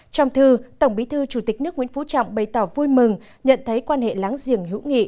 trong thư tổng bí thư chủ tịch nước nguyễn phú trọng bày tỏ vui mừng nhận thấy quan hệ láng giềng hữu nghị